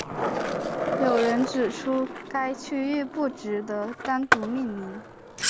有人指出该区域不值得单独命名。